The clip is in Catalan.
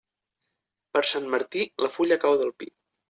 Per Sant Martí, la fulla cau del pi.